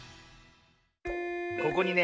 ここにね